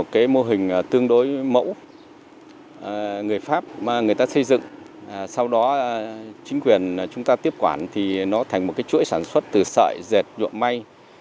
chúng ta xây dựng sau đó chính quyền chúng ta tiếp quản thì nó thành một cái chuỗi sản xuất từ sợi dệt nhuộm mây